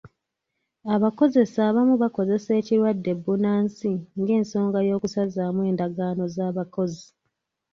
Abakozesa abamu bakozesa ekirwadde bbunansi ng'ensonga y'okusazaamu endagaano z'abakozi.